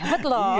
ibu pejabat loh